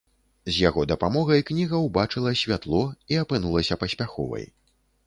З яго дапамогай кніга ўбачыла святло і апынулася паспяховай.